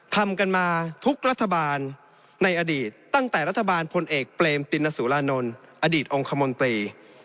ทำกันมาทุกรัฐบาลในอดีตตั้งแต่รัฐบาลพลเอกเปรมตินสุรานนท์อดีตองค์คมนตรี